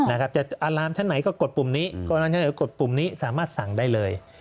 อารามชั้นไหนก็กดปุ่มนี้กดปุ่มนี้สามารถสั่งได้เลย